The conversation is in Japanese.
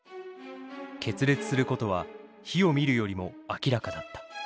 決裂することは火を見るよりも明らかだった。